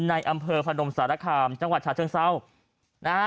ในอำเภอพนมสารคามจังหวัดชาเชิงเศร้านะฮะ